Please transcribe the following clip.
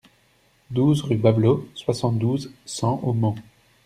douze rue Bablot, soixante-douze, cent au Mans